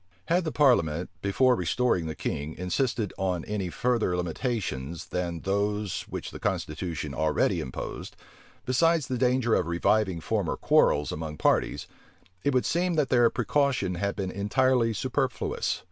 Had the parliament, before restoring the king, insisted on any further limitations than those which the constitution already imposed, besides the danger of reviving former quarrels among parties, it would seem that their precaution had been entirely superfluous.